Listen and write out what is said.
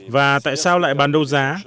và tại sao lại bán đấu giá